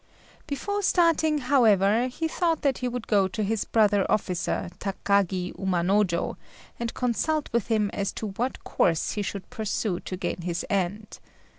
Before starting, however, he thought that he would go to his brother officer, Takagi Umanojô, and consult with him as to what course he should pursue to gain his end.